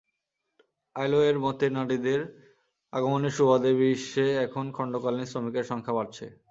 আইএলওর মতে, নারীদের আগমনের সুবাদে বিশ্বে এখন খণ্ডকালীন শ্রমিকের সংখ্যা বাড়ছে।